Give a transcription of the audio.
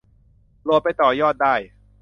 โหลดไปต่อยอดได้